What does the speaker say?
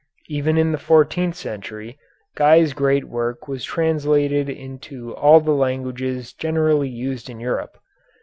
Even in the fourteenth century Guy's great work was translated into all the languages generally used in Europe.